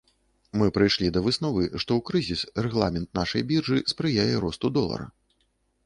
Мы прыйшлі да высновы, што ў крызіс рэгламент нашай біржы спрыяе росту долара.